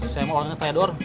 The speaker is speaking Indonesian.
saya mau uangnya treador